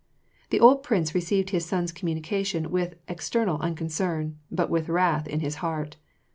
The old prince received his son's communication with ex ternal unconcern, but with wrath in his heart.